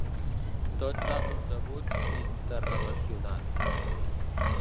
Tot s’ha concebut interrelacionat.